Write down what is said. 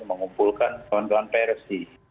mengumpulkan kawan kawan prc